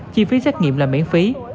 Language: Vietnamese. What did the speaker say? chi phí xét nghiệm là miễn phí